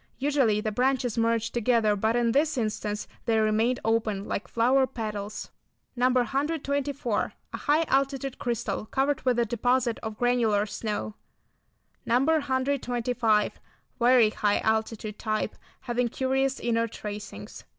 Usually the branches merge together but in this instance they remained open like flower petals. No. 124. A high altitude crystal covered with a deposit of granular snow. No. 125. Very high altitude type, having curious inner tracings.